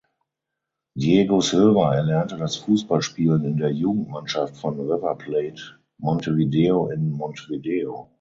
Diego Silva erlernte das Fußballspielen in der Jugendmannschaft von River Plate Montevideo in Montevideo.